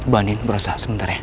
banin berusaha sebentar ya